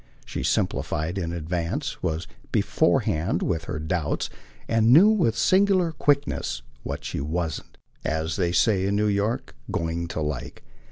She simplified in advance, was beforehand with her doubts, and knew with singular quickness what she wasn't, as they said in New York, going to like.